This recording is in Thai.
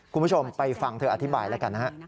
คุณผู้ชมไปฟังเธออธิบายแล้วกันนะฮะ